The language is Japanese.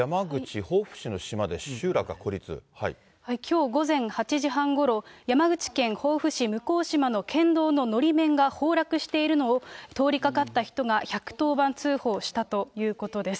きょう午前８時半ごろ、山口県防府市むこう島の県道ののり面が崩落しているのを、通りかかった人が１１０番通報したということです。